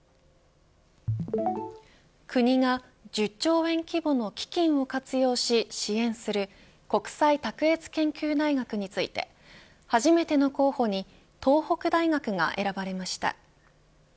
国が１０兆円規模の基金を活用し支援する国際卓越研究大学について初めての候補に東北大学が選ばれました。